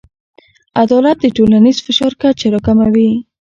عدالت د ټولنیز فشار کچه راکموي.